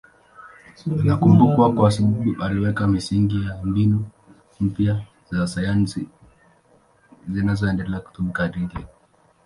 Anakumbukwa kwa sababu aliweka misingi ya mbinu mpya za sayansi zinazoendelea kutumika hadi leo.